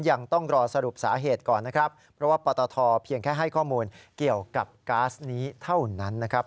ยังต้องรอสรุปสาเหตุก่อน